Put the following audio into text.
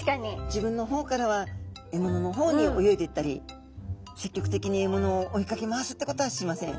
自分の方からは獲物の方に泳いでいったり積極的に獲物を追いかけ回すってことはしません。